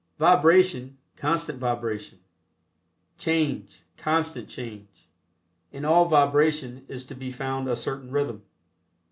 Vibration, constant vibration. Change, constant change. In all vibration is to be found a certain rhythm.